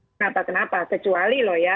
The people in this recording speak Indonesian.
kenapa kenapa kecuali loh ya